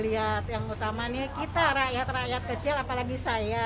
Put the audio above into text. yang utamanya kita rakyat rakyat kecil apalagi saya